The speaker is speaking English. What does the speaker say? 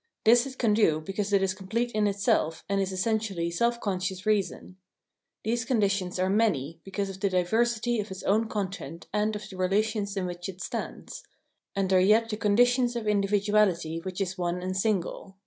This it can do because it is complete in itself, and is essentially self conscious reason. These conditions are many, because of the diversity of its own content and of the relations in which it stands ; and are yet the condi tions of individuality which is one and single.